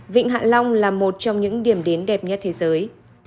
vịnh hạ long là một trong những điểm đến đẹp nhất thế giới